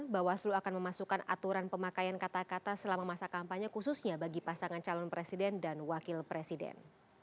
bawaslu akan memasukkan aturan pemakaian kata kata selama masa kampanye khususnya bagi pasangan calon presiden dan wakil presiden